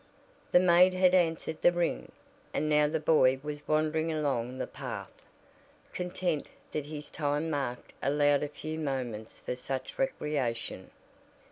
The maid had answered the ring, and now the boy was wandering along the path, content that his time mark allowed a few moments for such recreation.